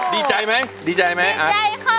ดีใจไหมดีใจไหมอาร์ต